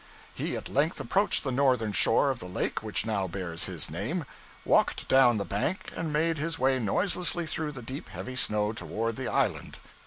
He at length approached the northern shore of the lake which now bears his name, walked down the bank and made his way noiselessly through the deep heavy snow toward the island.